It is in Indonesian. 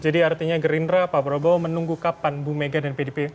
jadi artinya gerindra pak prabowo menunggu kapan bu megawati dan pdp